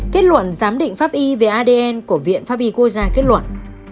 kết luận giám định pháp y về adn của viện pháp y quốc gia kết luận